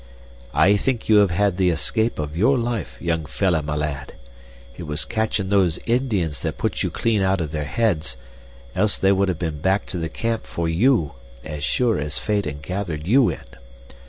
"I think you have had the escape of your life, young fellah my lad. It was catchin' those Indians that put you clean out of their heads, else they would have been back to the camp for you as sure as fate and gathered you in.